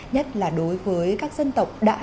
nhất là đối với các dân tộc đã